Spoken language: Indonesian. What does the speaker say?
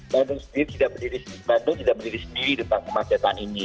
bandung sendiri tidak berdiri di sendiri di depan kemacetan ini